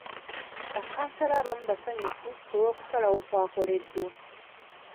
Ba kansala abamu basanyufu ku lw'okusalawo okwakoleddwa.